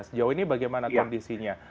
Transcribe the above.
sejauh ini bagaimana kondisinya